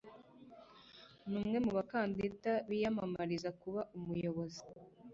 Ni umwe mu bakandida biyamamariza kuba umuyobozi.